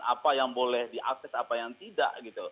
apa yang boleh diakses apa yang tidak gitu